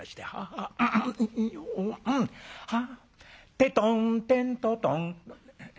「テトンテントトン」